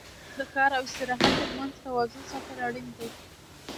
د کار او استراحت تر منځ توازن ساتل اړین دي.